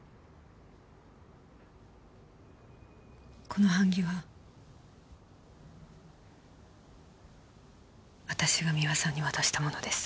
この版木は私が三輪さんに渡したものです。